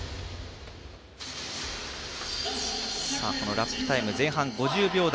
ラップタイム、前半５０秒台